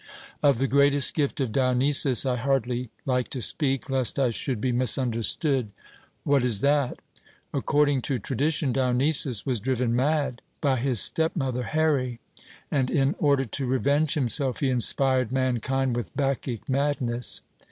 Of the greatest gift of Dionysus I hardly like to speak, lest I should be misunderstood. 'What is that?' According to tradition Dionysus was driven mad by his stepmother Here, and in order to revenge himself he inspired mankind with Bacchic madness.